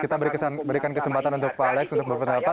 kita berikan kesempatan untuk pak alex untuk berpendapat